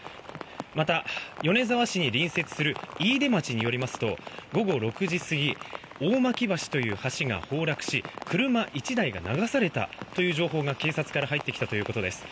また、米沢市に隣接する飯豊町によりますと午後６時過ぎ橋が崩落し、車１台が流されたという情報が警察から入ってきたということです。